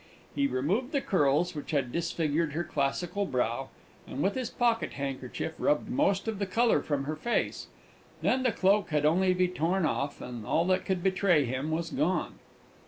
He removed the curls which had disfigured her classical brow, and, with his pocket handkerchief, rubbed most of the colour from her face; then the cloak had only to be torn off, and all that could betray him was gone.